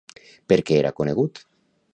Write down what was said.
Per què era conegut?